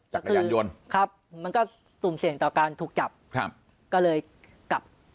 จักรยานยนต์ครับมันก็สุ่มเสี่ยงต่อการถูกจับครับก็เลยกลับ